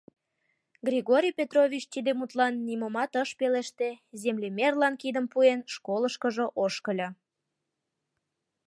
Григорий Петрович тиде мутлан нимомат ыш пелеште, землемерлан кидым пуэн, школышкыжо ошкыльо.